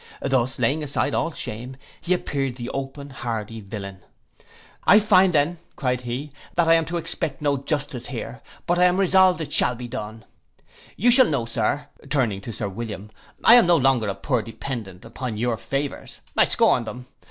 Thus laying aside all shame, he appeared the open hardy villain. 'I find then,' cried he, 'that I am to expect no justice here; but I am resolved it shall be done me. You shall know, Sir,' turning to Sir William, 'I am no longer a poor dependent upon your favours. I scorn them.